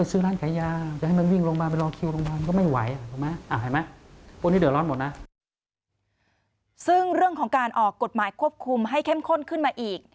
ซึ่งเรื่องของการออกกฎหมายควบคุมให้เข้มข้นขึ้นมาอีก